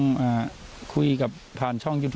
ลุงพลบอกว่าอันนี้ก็ไม่เกี่ยวข้องกันเพราะจะให้มันจบกันไป